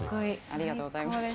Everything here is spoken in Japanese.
ありがとうございます。